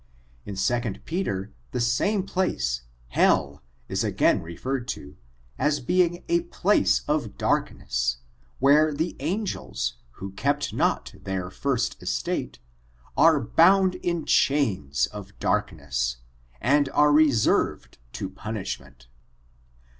In second Peter, the same place, heli^ is again referred to as being a place of darkness^ where the angels, who kept not their first estate, are bonnd in chains (or depths) of darkness, and are re served to judgment.